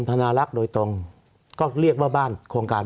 สวัสดีครับทุกคน